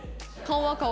顔は？